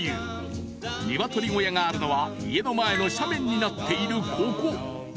［鶏小屋があるのは家の前の斜面になっているここ］